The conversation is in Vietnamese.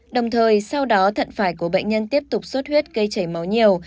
đồng thời sau đó thận phải của bệnh nhân tiếp tục sốt huyết gây chảy máu nhiều